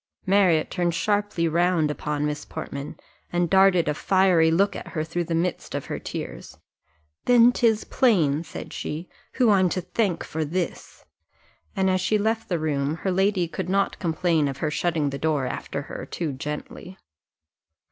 Marriott turned sharply round upon Miss Portman, and darted a fiery look at her through the midst of her tears. "Then 'tis plain," said she, "who I'm to thank for this;" and as she left the room her lady could not complain of her shutting the door after her too gently.